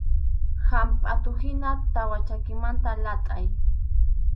Hampʼatuhina tawa chakimanta latʼay.